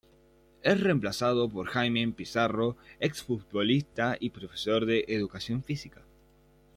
Es reemplazado por Jaime Pizarro, ex futbolista y profesor de educación física.